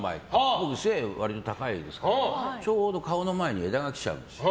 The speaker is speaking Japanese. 僕、背が割と高いですからちょうど顔の前に枝が来ちゃうんです。